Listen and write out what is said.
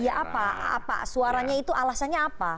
ya apa suaranya itu alasannya apa